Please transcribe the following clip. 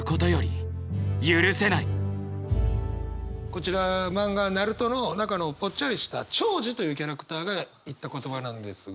こちら漫画「ＮＡＲＵＴＯ」の中のぽっちゃりしたチョウジというキャラクターが言った言葉なんですが。